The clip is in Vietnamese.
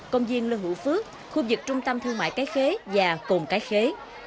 công viên lương hữu phước khu vực trung tâm thương mại cái khế và cồn cái khế